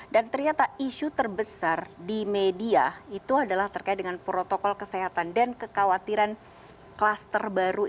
dan ternyata isu terbesar di media itu adalah terkait dengan protokol kesehatan dan kekhawatiran klaster baru itu